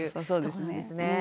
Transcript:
そうですね。